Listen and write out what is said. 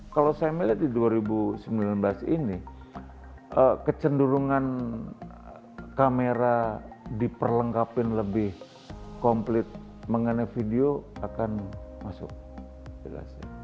kalau saya melihat di dua ribu sembilan belas ini kecenderungan kamera diperlengkapin lebih komplit mengenai video akan masuk